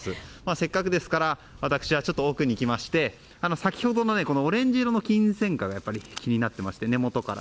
せっかくですから私はちょっと奥に行きまして先ほどのオレンジ色のキンセイカが気になっていまして、根元から。